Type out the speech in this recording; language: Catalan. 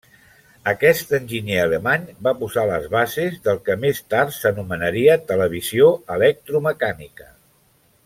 Aquest enginyer alemany va posar les bases del que més tard s'anomenaria televisió electromecànica.